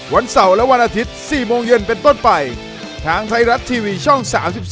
วันเสาร์และวันอาทิตย์๔โมงเย็นเป็นต้นไปทางไทยรัฐทีวีช่อง๓๒